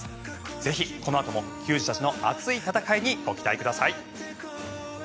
ぜひこのあとも球児たちの熱い戦いにご期待ください。